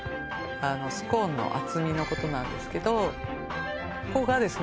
あのスコーンの厚みのことなんですけどここがですね